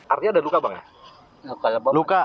artinya ada luka bang ya